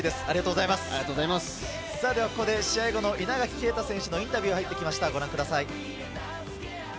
試合後の稲垣啓太選手のインタビューが入ってきました、ご覧ください。